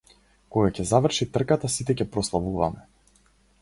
Кога ќе заврши трката сите ќе прославуваме.